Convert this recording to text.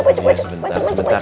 iya sebentar sebentar